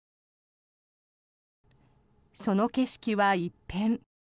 その景色は一変。